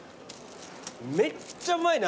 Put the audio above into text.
めっちゃうまいな。